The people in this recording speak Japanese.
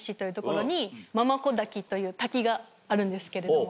私の。という滝があるんですけれども。